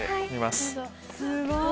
すごい。